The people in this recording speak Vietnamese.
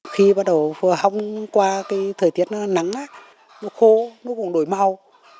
khi bắt đầu phờ hong qua cái thời tiết nắng nó khô nó cũng đổi màu